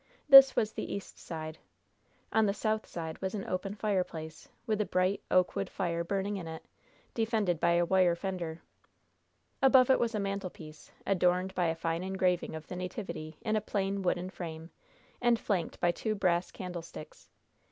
This was the east side. On the south side was an open fireplace, with a bright, oak wood fire burning in it, defended by a wire fender. Above it was a mantelpiece, adorned by a fine engraving of the Nativity in a plain, wooden frame, and flanked by two brass candlesticks.